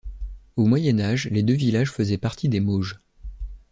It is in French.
Au Moyen Âge, les deux villages faisaient partie des Mauges.